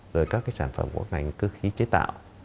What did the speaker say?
rồi các cái sản phẩm của ngành cơ khí chế tạo